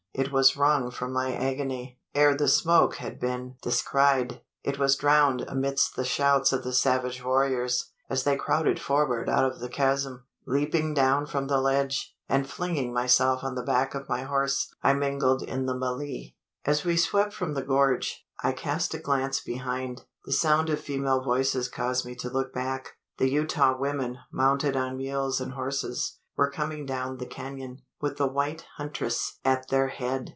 It was wrung from my agony, ere the smoke had been descried. It was drowned amidst the shouts of the savage warriors, as they crowded forward out of the chasm. Leaping down from the ledge, and flinging myself on the back of my horse, I mingled in the melee. As we swept from the gorge, I cast a glance behind. The sound of female voices caused me to look back. The Utah women, mounted on mules and horses, were coming down the canon, with the white huntress at their head!